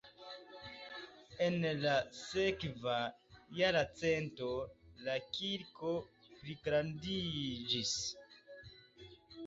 En la sekva jarcento la kirko pligrandiĝis.